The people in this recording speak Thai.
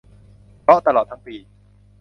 เพราะตลอดทั้งปี